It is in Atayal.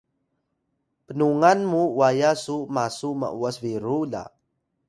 pnungan mu waya su masu m’was biru la